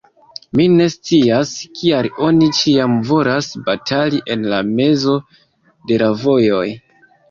Mi ne scias, kial oni ĉiam volas batali en la mezo de la vojoj.